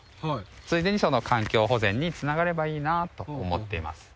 ついでに環境保全に繋がればいいなと思っています。